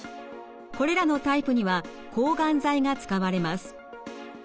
これらのタイプには抗がん剤が使われます。